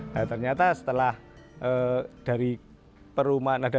nah ternyata setelah dari perumahan ada